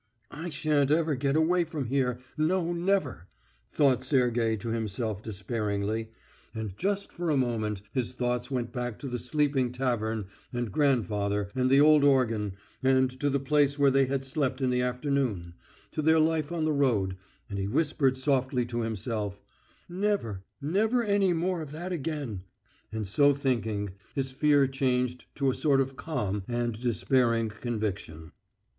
"I shan't ever get away from here; no, never!" thought Sergey to himself despairingly, and just for a moment his thoughts went back to the sleeping tavern and grandfather and the old organ, and to the place where they had slept in the afternoon, to their life of the road, and he whispered softly to himself, "Never, never any more of that again," and so thinking, his fear changed to a sort of calm and despairing conviction.